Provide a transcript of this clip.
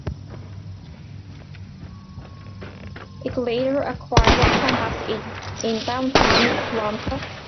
It later acquired a campus in downtown Atlanta.